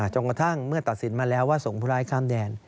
จนกระทั่งเมื่อตัดสินมาแล้วว่าส่งผู้ร้ายข้ามแดน